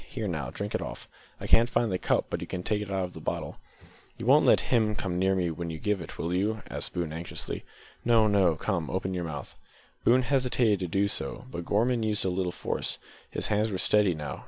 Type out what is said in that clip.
Here now, drink it off. I can't find the cup, but you can take it out of the bottle." "You won't let him come near when you give it, will you?" asked Boone anxiously. "No, no; come, open your mouth." Boone hesitated to do so, but Gorman used a little force. His hands were steady now!